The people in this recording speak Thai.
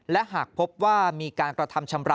และหากพบว่ามีการกระทำชำระ